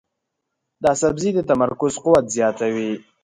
دا سبزی د تمرکز قوت زیاتوي.